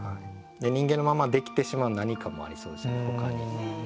人間のままできてしまう何かもありそうですよねほかに。